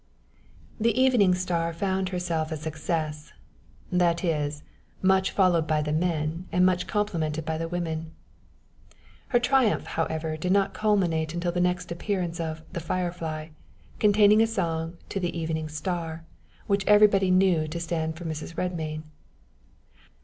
The Evening Star found herself a success that is, much followed by the men and much complimented by the women. Her triumph, however, did not culminate until the next appearance of "The Firefly," containing a song "To the Evening Star," which everybody knew to stand for Mrs. Redmain.